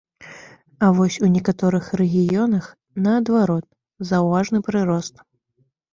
А вось у некаторых рэгіёнах, наадварот, заўважаны прырост.